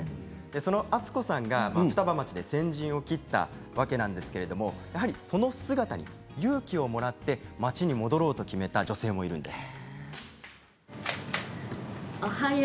敦子さんが双葉町で先陣を切ったわけですけれどもその姿に勇気をもらって町に帰ることを決めた女性もいるんです。